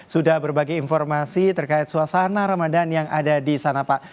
sudah berbagi informasi terkait suasana ramadan yang ada di sana pak